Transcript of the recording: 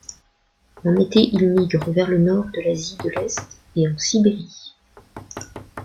En été, il migre vers le nord de l'Asie de l'Est et en Sibérie.